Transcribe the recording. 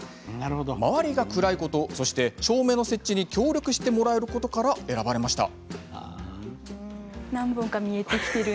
周りが暗いことそして、照明の設置に協力してもらえることから選ばれました。